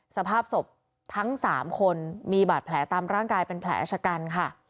สภาพศพทั้ง๓คนมีบาดแผลตามร่างกายเป็นแผลชะกันค่ะ